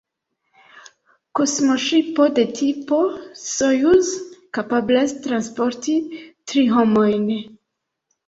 Kosmoŝipo de tipo Sojuz kapablas transporti tri homojn.